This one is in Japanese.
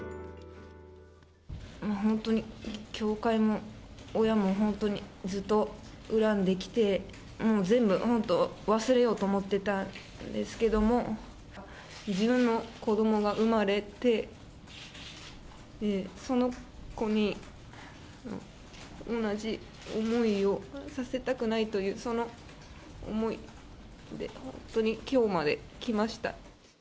本当に教会も親も本当にずっと恨んできて、もう全部、本当忘れようと思ってたんですけども、自分の子どもが産まれて、その子に同じ思いをさせたくないという、その思いで、本当にきょうまで来ました。